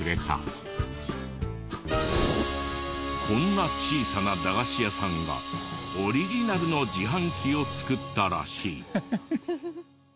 こんな小さな駄菓子屋さんがオリジナルの自販機をつくったらしい。